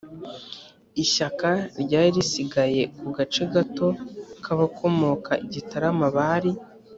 ishyaka ryari risigaye ku gace gato k abakomoka i gitarama bari